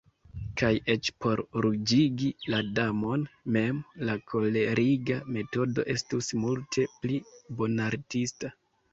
Kaj eĉ por ruĝigi la Damon mem, la koleriga metodo estus multe pli bonartista.